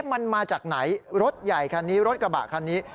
มันมาจากไหนรถใหญ่คันนี้รถกระบะคันนี้